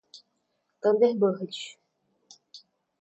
thunderbird